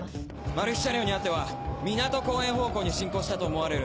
マル被車両にあっては港公園方向に進行したと思われる。